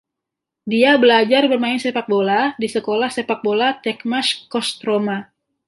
Dia belajar bermain sepak bola di sekolah sepak bola Tekmash Kostroma.